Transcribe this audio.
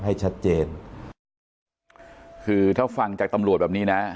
ให้ชัดเจนคือถ้าฟังจากตำรวจแบบนี้นะ